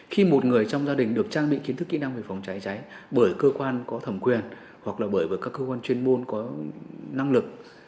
khi một người trong gia đình được trang bị kiến thức kỹ năng về phòng cháy cháy bởi cơ quan có thẩm quyền hoặc là bởi các cơ quan chuyên môn có năng lực